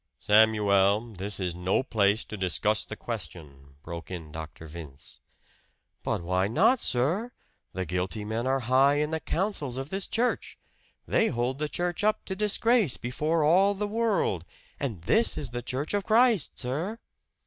"Samuel, this is no place to discuss the question!" broke in Dr. Vince. "But why not, sir? The guilty men are high in the councils of this church. They hold the church up to disgrace before all the world. And this is the church of Christ, sir!"